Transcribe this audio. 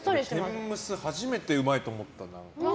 天むす、初めてうまいと思った。